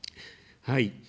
はい。